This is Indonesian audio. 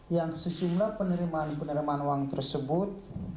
yang sejumlah penerimaan penerimaan uang tersebut